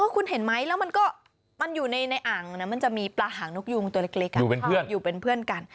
คุณเห็นไหมแล้วมันก็มันอยู่ในอ่างนะมันจะมีปลาหางนกยูงตัวเล็กอยู่เป็นเพื่อนกัน